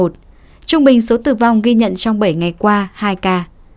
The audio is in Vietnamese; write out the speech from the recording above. trung bình số tử vong ghi nhận trong bảy ngày qua hai ca